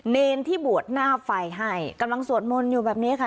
เนรที่บวชหน้าไฟให้กำลังสวดมนต์อยู่แบบนี้ค่ะ